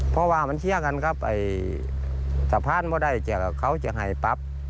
เพราะว่ามันเชื่อกันครับสะพานไม่ได้จะเขาให้ปั๊บ